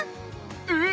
えっ！